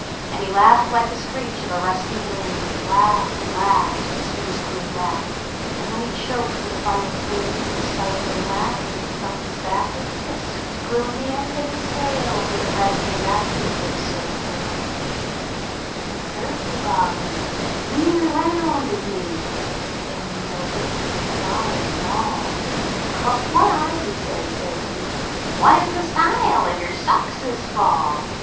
And he laughed like the screech of a rusty hinge Laughed and laughed till his face grew black ; And when he choked, with a final twinge Of his stifling laughter, he thumped his back With a fist that grew on the end of his tail Till the breath came back to his lips so pale. 104 1 I ( THE X1XK LITTLK C.Ol .LIXS And the third little 1 (loblin leered round at me And there were no lids on his eves at all And he chicked one eye, and he says, says he, " What is the style of your socks this fall?